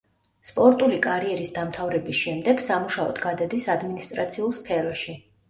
სპორტული კარიერის დამთავრების შემდეგ სამუშაოდ გადადის ადმინისტრაციულ სფეროში.